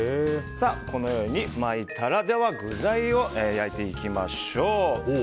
このように巻いたら具材を焼いていきましょう。